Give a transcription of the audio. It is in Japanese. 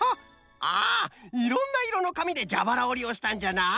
あいろんないろのかみでじゃばらおりをしたんじゃな。